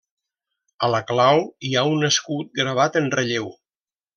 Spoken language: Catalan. A la clau hi ha un escut gravat en relleu.